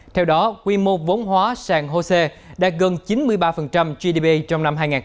theo đó quy mô vốn hóa sàng hô sản